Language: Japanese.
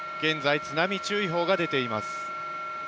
現在、津波注意報が出ています。